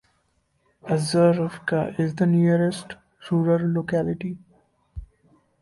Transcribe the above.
Azarovka is the nearest rural locality.